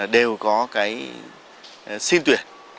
đều có cái xin tuyển